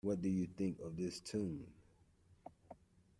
What do you think of this Tune?